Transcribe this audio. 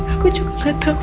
aku juga gak tau